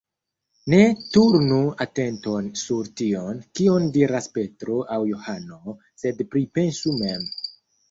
Ne turnu atenton sur tion, kion diras Petro aŭ Johano, sed pripensu mem.